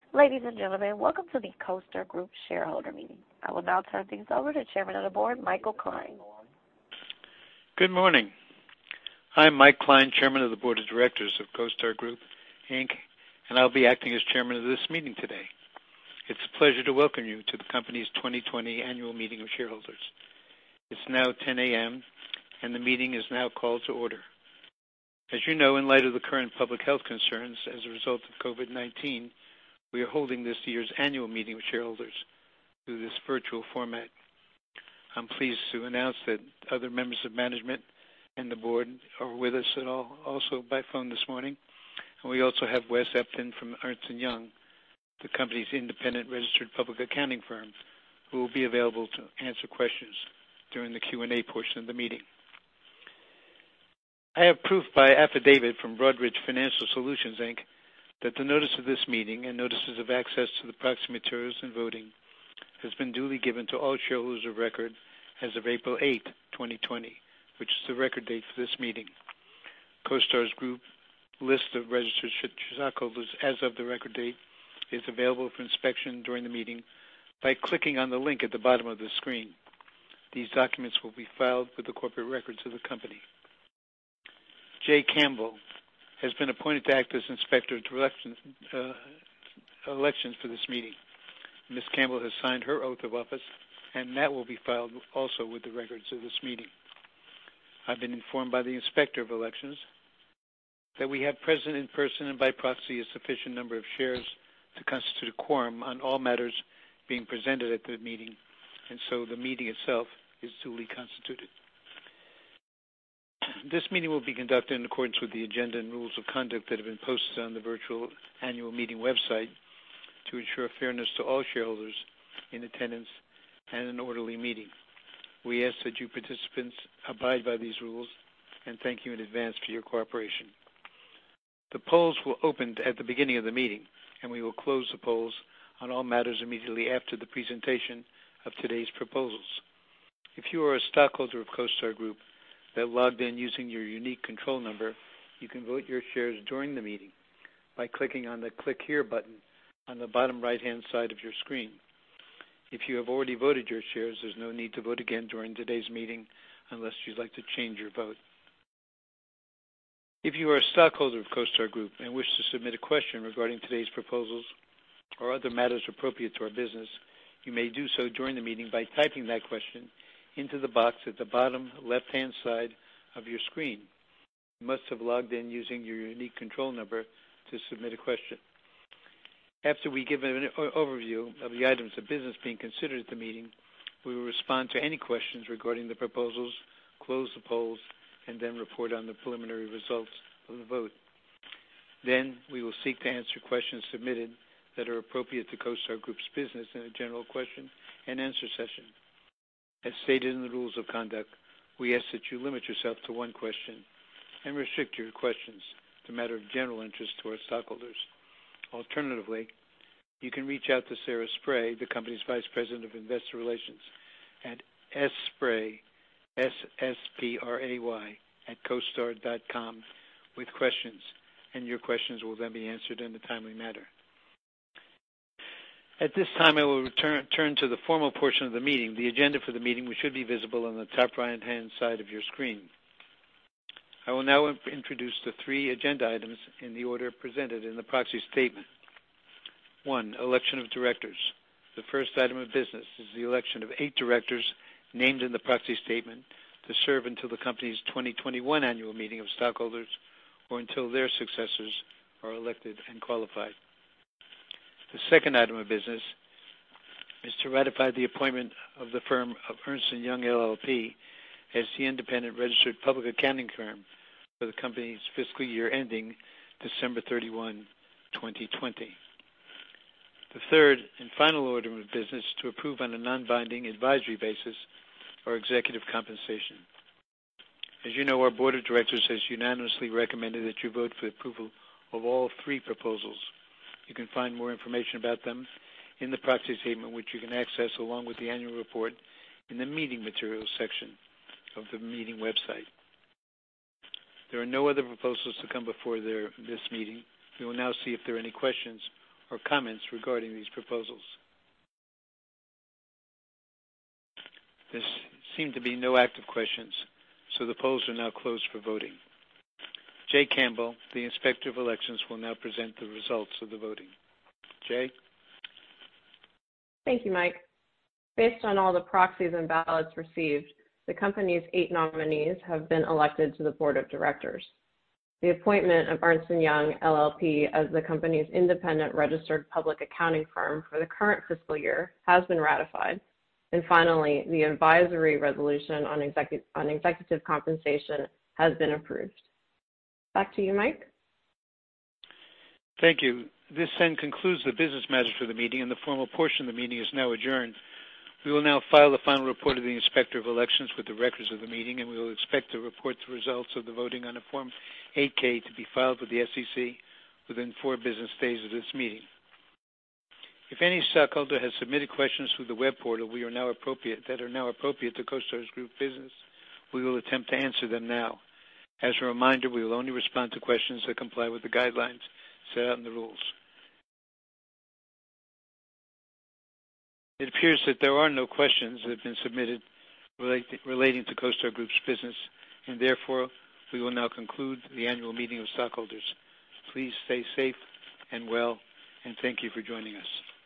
Ladies and gentlemen, welcome to the CoStar Group shareholder meeting. I will now turn things over to Chairman of the Board, Michael Klein. Good morning. I'm Mike Klein, Chairman of the Board of Directors of CoStar Group, Inc., I'll be acting as chairman of this meeting today. It's a pleasure to welcome you to the company's 2020 annual meeting of shareholders. It's now 10:00 A.M., the meeting is now called to order. As you know, in light of the current public health concerns as a result of COVID-19, we are holding this year's annual meeting with shareholders through this virtual format. I'm pleased to announce that other members of management and the board are with us also by phone this morning. We also have Wes Epton from Ernst & Young, the company's independent registered public accounting firm, who will be available to answer questions during the Q&A portion of the meeting. I have proof by affidavit from Broadridge Financial Solutions, Inc. that the notice of this meeting and notices of access to the proxy materials and voting has been duly given to all shareholders of record as of April 8, 2020, which is the record date for this meeting. CoStar Group's list of registered stockholders as of the record date is available for inspection during the meeting by clicking on the link at the bottom of the screen. These documents will be filed with the corporate records of the company. Jaye Campbell has been appointed to act as Inspector of Elections for this meeting. Ms. Campbell has signed her oath of office, and that will be filed also with the records of this meeting. I've been informed by the Inspector of Elections that we have present in person and by proxy a sufficient number of shares to constitute a quorum on all matters being presented at the meeting, and so the meeting itself is duly constituted. This meeting will be conducted in accordance with the agenda and rules of conduct that have been posted on the virtual annual meeting website to ensure fairness to all shareholders in attendance and an orderly meeting. We ask that you participants abide by these rules and thank you in advance for your cooperation. The polls were opened at the beginning of the meeting, and we will close the polls on all matters immediately after the presentation of today's proposals. If you are a stockholder of CoStar Group that logged in using your unique control number, you can vote your shares during the meeting by clicking on the Click Here button on the bottom right-hand side of your screen. If you have already voted your shares, there's no need to vote again during today's meeting unless you'd like to change your vote. If you are a stockholder of CoStar Group and wish to submit a question regarding today's proposals or other matters appropriate to our business, you may do so during the meeting by typing that question into the box at the bottom left-hand side of your screen. You must have logged in using your unique control number to submit a question. After we give an overview of the items of business being considered at the meeting, we will respond to any questions regarding the proposals, close the polls, and then report on the preliminary results of the vote. We will seek to answer questions submitted that are appropriate to CoStar Group's business in a general question and answer session. As stated in the rules of conduct, we ask that you limit yourself to one question and restrict your questions to matter of general interest to our stockholders. Alternatively, you can reach out to Sarah Spray, the company's Vice President of Investor Relations, at sspray, S-S-P-R-A-Y, @costar.com with questions. Your questions will then be answered in a timely manner. At this time, I will turn to the formal portion of the meeting, the agenda for the meeting, which should be visible on the top right-hand side of your screen. I will now introduce the three agenda items in the order presented in the proxy statement. One, election of directors. The first item of business is the election of eight directors named in the proxy statement to serve until the company's 2021 annual meeting of stockholders or until their successors are elected and qualified. The second item of business is to ratify the appointment of the firm of Ernst & Young LLP as the independent registered public accounting firm for the company's fiscal year ending December 31, 2020. The third and final order of business is to approve on a non-binding advisory basis our executive compensation. As you know, our board of directors has unanimously recommended that you vote for approval of all three proposals. You can find more information about them in the proxy statement, which you can access along with the annual report in the meeting materials section of the meeting website. There are no other proposals to come before this meeting. We will now see if there are any questions or comments regarding these proposals. There seem to be no active questions. The polls are now closed for voting. Jaye Campbell, the Inspector of Elections, will now present the results of the voting. Jaye? Thank you, Mike. Based on all the proxies and ballots received, the company's eight nominees have been elected to the board of directors. The appointment of Ernst & Young LLP as the company's independent registered public accounting firm for the current fiscal year has been ratified. Finally, the advisory resolution on executive compensation has been approved. Back to you, Mike. Thank you. This then concludes the business matters for the meeting, and the formal portion of the meeting is now adjourned. We will now file the final report of the Inspector of Elections with the records of the meeting, and we will expect to report the results of the voting on a Form 8-K to be filed with the SEC within four business days of this meeting. If any stockholder has submitted questions through the web portal that are now appropriate to CoStar Group's business, we will attempt to answer them now. As a reminder, we will only respond to questions that comply with the guidelines set out in the rules. It appears that there are no questions that have been submitted relating to CoStar Group's business, and therefore, we will now conclude the annual meeting of stockholders. Please stay safe and well, and thank you for joining us.